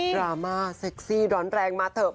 ราม่าเซ็กซี่ร้อนแรงมาเถอะ